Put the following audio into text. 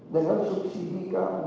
dengan subsidi kami